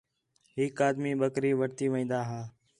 ہِک آدمی بکری وٹھتی وین٘دا ہا